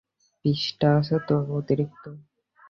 জীববিজ্ঞান ব্যবহারিক খাতার অতিরিক্ত পৃষ্ঠা আছে তোর?